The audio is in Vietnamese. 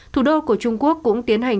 thủ đô của trung quốc cũng tiến hành